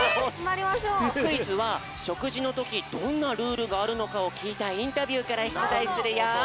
クイズはしょくじのときどんなルールがあるのかをきいたインタビューからしゅつだいするよ。